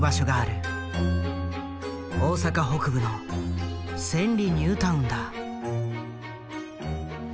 大阪北部の千里ニュータウンだ。